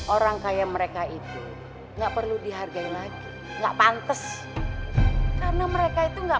orang kayak mereka itu nggak perlu dihargai lagi nggak pantas karena mereka itu enggak